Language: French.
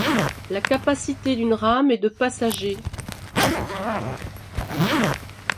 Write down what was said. La capacité d'une rame est de passagers.